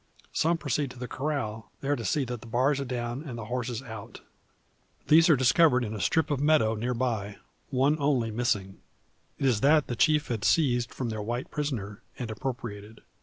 Some proceed to the corral, there to see that the bars are down, and the horses out. These are discovered in a strip of meadow near by, one only missing. It is that the chief had seized from their white prisoner, and appropriated.